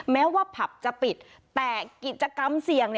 แม้ว่าผับจะปิดแต่กิจกรรมเสี่ยง